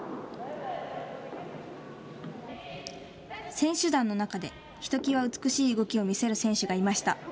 選手団の中でひときわ美しい動きを見せる選手がいました。